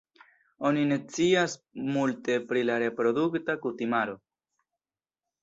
Oni ne scias multe pri la reprodukta kutimaro.